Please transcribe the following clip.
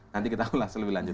nanti kita ulas lebih lanjut